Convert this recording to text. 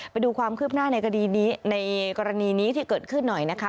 ไปดูความคืบหน้าในคดีนี้ในกรณีนี้ที่เกิดขึ้นหน่อยนะคะ